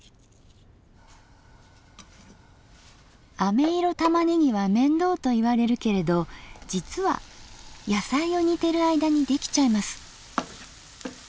あめ色たまねぎは面倒といわれるけれど実は野菜を煮てる間にできちゃいます。